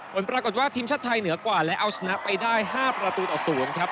ผลปรากฏว่าทีมชาติไทยเหนือกว่าและเอาชนะไปได้๕ประตูต่อ๐ครับ